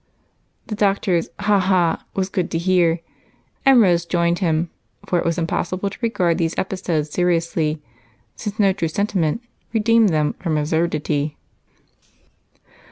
The doctor's "Ha! Ha!" was good to hear, and Rose joined him, for it was impossible to regard these episodes seriously, since no true sentiment redeemed them from absurdity.